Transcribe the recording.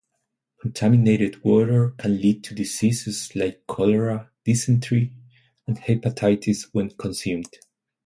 Contaminated water can lead to diseases like cholera, dysentery, and hepatitis when consumed.